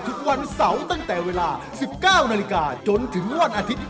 ทุกวันเสาร์ตั้งแต่เวลา๑๙นาฬิกาจนถึงวันอาทิตย์